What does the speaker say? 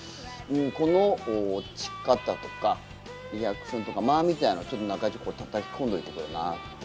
この落ち方とかリアクションとか間みたいなのちょっと中居たたき込んどいてくれな。